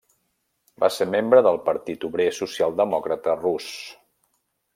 Va ser membre de Partit Obrer Socialdemòcrata Rus.